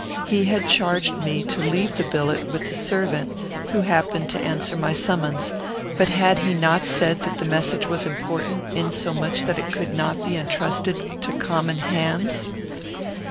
He had charged me to leave the billet with the servant who happened to answer my summons; but had he not said that the message was important, insomuch that it could not be intrusted to common hands?